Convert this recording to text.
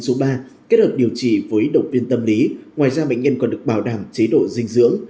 số ba kết hợp điều trị với động viên tâm lý ngoài ra bệnh nhân còn được bảo đảm chế độ dinh dưỡng